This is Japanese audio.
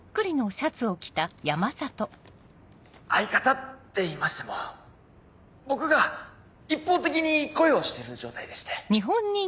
相方っていいましても僕が一方的に恋をしている状態でして。